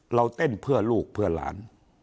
เราเต้นเพื่อลูกเพื่อหลาน